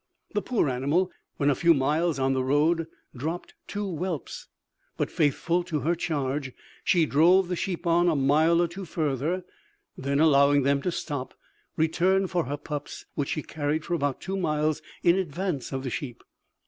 The poor animal, when a few miles on the road, dropped two whelps, but, faithful to her charge, she drove the sheep on a mile or two further then, allowing them to stop, returned for her pups, which she carried for about two miles in advance of the sheep.